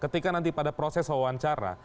ketika nanti pada proses wawancara